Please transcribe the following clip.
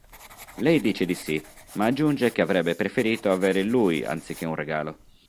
Lei dice di sì, ma aggiunge che avrebbe preferito avere lui anziché un regalo.